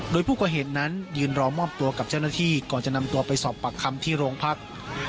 โดยผู้ก่อเหตุนั้นยืนรอมอบตัวกับเจ้าหน้าที่ก่อนจะนำตัวไปสอบปากคำที่โรงพัก